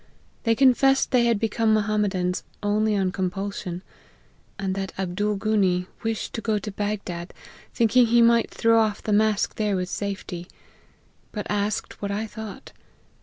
They confessed they had become Mohammedans only on compul sion; and that Abdoolghunee wished to go to Bag dad, thinking he might throw off the mask there with safety ; but asked, what I thought?